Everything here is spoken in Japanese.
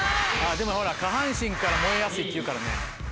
でもほら下半身から燃えやすいっていうからね。